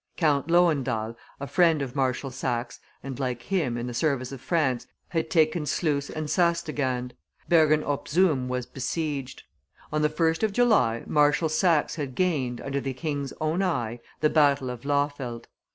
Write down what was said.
Count Lowendahl, a friend of Marshal Saxe, and, like him, in the service of France, had taken Sluys and Sas de Gand; Bergen op Zoom was besieged; on the 1st of July, Marshal Saxe had gained, under the king's own eye, the battle of Lawfeldt.